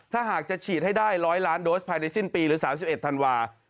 ถ้าหากจะฉีดให้ได้๑๐๐ล้านโดสภายในสิ้นปีหรือ๓๑ธันวา